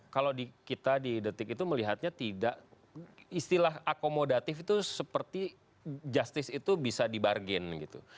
kalau kita di detik itu melihatnya tidak istilah akomodatif itu seperti justice itu bisa dibarin gitu